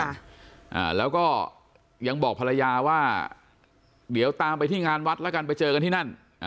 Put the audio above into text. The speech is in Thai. อ่าแล้วก็ยังบอกภรรยาว่าเดี๋ยวตามไปที่งานวัดแล้วกันไปเจอกันที่นั่นอ่า